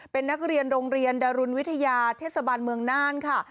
เป็นนักเรียนโรงเรียนดรุนวิทยาเทศบาลเมืองน่านค่ะ